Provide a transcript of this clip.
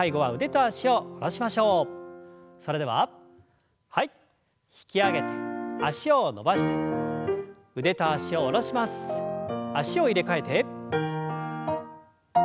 脚を入れ替えて。